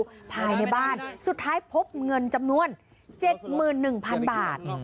ซุกซ่อนอยู่ภายในบ้านสุดท้ายพบเงินจำนวน๗๑๐๐๐บาท